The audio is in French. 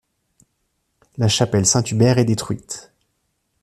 La chapelle Saint-Hubert est détruite.